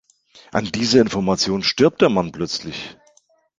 An dieser Information stirbt der Mann plötzlich.